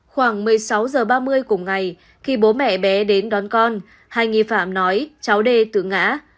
khoảng một mươi sáu h ba mươi cùng ngày khi bố mẹ bé đến đón con hai nghi phạm nói cháu đê tự ngã